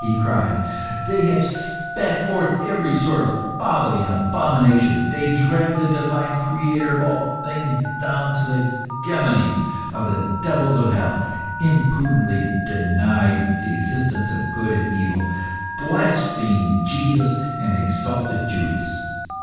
he cried. "They have spat forth every sort of folly and abomination. They dragged the Divine Creator of all things down the gemonies(*) of the devils of hell, impudently denied the existence of Good and Evil, blasphemed Jesus, and exalted Judas.